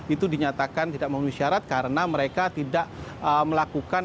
itu dinyatakan tidak memenuhi syarat karena mereka tidak melakukan